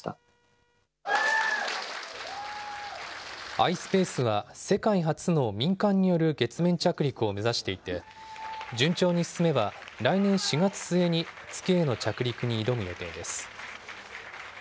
ｉｓｐａｃｅは、世界初の民間による月面着陸を目指していて、順調に進めば、来年４月末に月への着陸に挑む予定です。